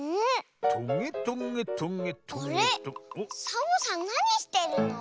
サボさんなにしてるの？